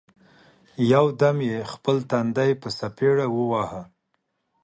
یو دم یې خپل تندی په څپېړه وواهه!